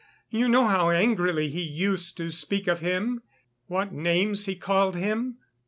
You know how angrily he used to speak of him, what names he called him."